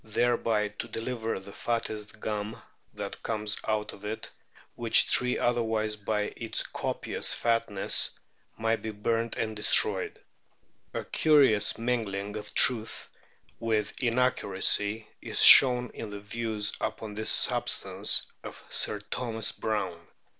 SPERM WHALES 199 thereby to deliver the fattest gum that comes out of it, which tree otherwise by its copious fatness might be burnt and destroyed." A curious mingling of truth with inaccuracy is shown in the views upon this substance of Sir Thomas Brown.